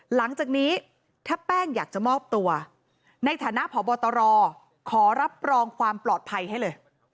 หลังจากนี้ถ้าแป้งอยากจะมอบตัวในฐานะพบตรขอรับรองความปลอดภัยให้เลย